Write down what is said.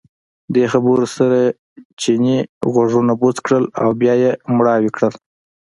دې خبرو سره چیني غوږونه بوڅ کړل او بیا یې مړاوي کړل.